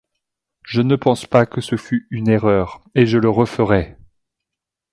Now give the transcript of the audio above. Je ne pense pas que ce fut une erreur, et je le referais.